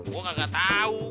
gue kagak tau